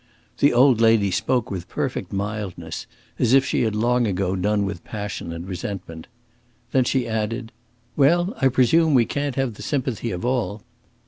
The old lady spoke with perfect mildness, as if she had long ago done with passion and resentment. Then she added, "Well, I presume we can't have the sympathy of all."